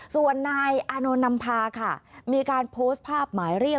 ส่วนนายอานนท์นำพาค่ะมีการโพสต์ภาพหมายเรียก